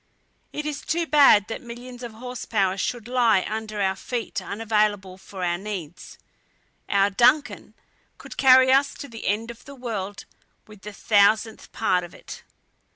It is too bad that millions of horse power should lie under our feet unavailable for our needs. Our DUNCAN would carry us to the end of the world with the thousandth part of it."